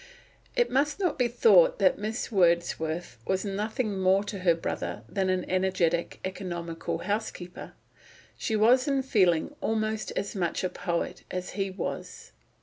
It must not be thought that Miss Wordsworth was nothing more to her brother than an energetic, economical housekeeper; she was in feeling almost as much a poet as he was.